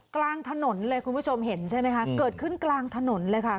กลางถนนเลยคุณผู้ชมเห็นใช่ไหมคะเกิดขึ้นกลางถนนเลยค่ะ